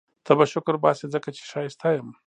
ته به شکرباسې ځکه چي ښایسته یم